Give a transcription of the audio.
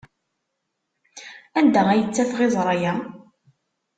Anda ay ttafeɣ iẓra-a?